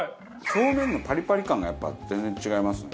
表面のパリパリ感がやっぱ全然違いますね。